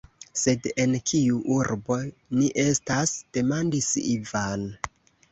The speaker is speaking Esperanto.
Sed en kiu urbo ni estas?demandis Ivan.